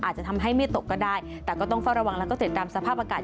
อาจจะทำให้ไม่ตกก็ได้แต่ก็ต้องเฝ้าระวังแล้วก็ติดตามสภาพอากาศ